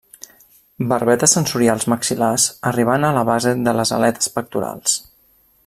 Barbetes sensorials maxil·lars arribant a la base de les aletes pectorals.